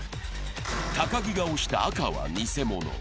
高木が押した赤は偽物。